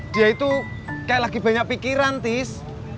dia itu kayak lagi banyak pikiran tis